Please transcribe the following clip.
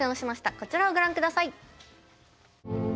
こちらをご覧下さい。